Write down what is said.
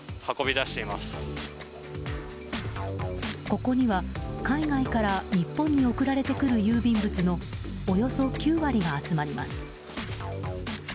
ここには海外から日本に送られてくる郵便物のおよそ９割が集まります。